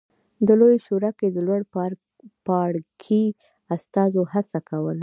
د لویې شورا کې د لوړ پاړکي استازو هڅه کوله